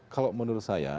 kalau menurut saya